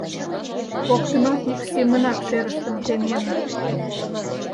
Коктынат ик семынак шерыштым теменыт.